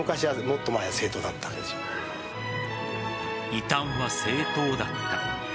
異端は正統だった。